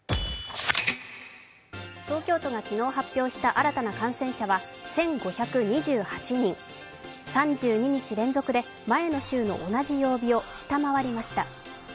東京都が昨日発表した新たな感染者は１５２８人、３２日連続で前の週の同じ曜日を下回りました。